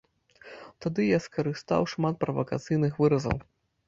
Тады я скарыстаў шмат правакацыйных выразаў.